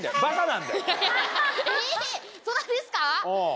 えそうなんですか？